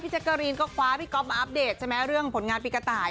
พี่จักรีย์คว้าพี่ฟาร์ตมาอัปเดตใช่ไหมเรื่องผลงานปีกระไหน